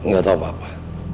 gak tau apa apa